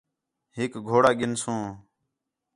ہِک گھوڑا گِنسوں